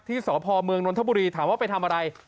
ที่สวพอร์เมืองนทบุรีถามว่าไปทำอะไร